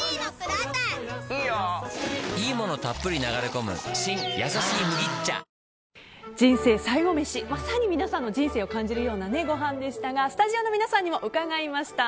このあとは、スタジオ出演者の人生最後メシまさに皆さんの人生を感じるようなごはんでしたがスタジオの皆さんにも伺いました。